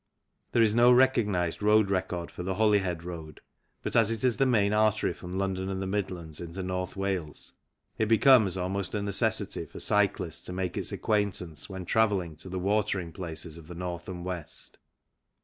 There is no recognized road record for the Holyhead Road, but as it is the main artery from London and the Midlands into North Wales it becomes almost a necessity for cyclists to make its acquaintance when travelling to the watering places of the North and West.